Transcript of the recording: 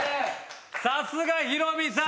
さすがヒロミさん！